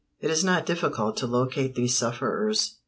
It is not difficult to locate these sufferers.